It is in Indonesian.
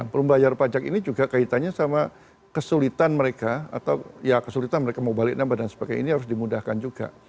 belum bayar pajak ini juga kaitannya sama kesulitan mereka atau ya kesulitan mereka mau balik nama dan sebagainya ini harus dimudahkan juga